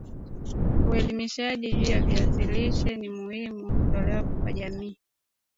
Uelimishaji juu ya viazi lishe ni muhimu kutolewa kwa jamii